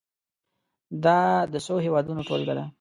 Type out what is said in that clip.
دا د څو هېوادونو ټولګه ده.